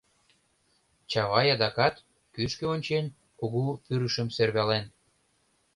Чавай адакат, кӱшкӧ ончен, Кугу Пӱрышым сӧрвален: